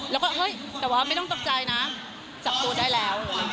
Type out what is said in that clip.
แล้วก็เฮ้ยแต่ว่าไม่ต้องตกใจนะจับตัวได้แล้ว